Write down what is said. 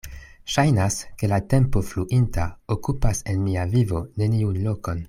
Ŝajnas, ke la tempo fluinta okupas en mia vivo neniun lokon.